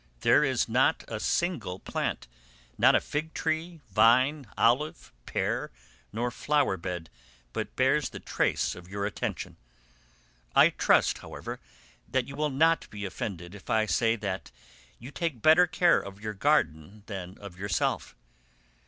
There is not a single plant, not a fig tree, vine, olive, pear, nor flower bed, but bears the trace of your attention. I trust, however, that you will not be offended if I say that you take better care of your garden than of yourself.